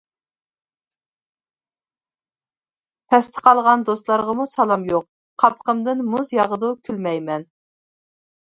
پەستە قالغان دوستلارغىمۇ سالام يوق، قاپىقىمدىن مۇز ياغىدۇ كۈلمەيمەن.